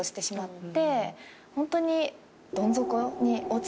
ホントに。